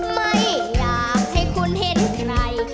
ไม่อยากให้คุณเห็นใคร